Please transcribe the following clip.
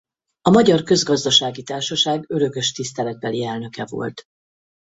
A Magyar Közgazdasági Társaság örökös tiszteletbeli elnöke volt.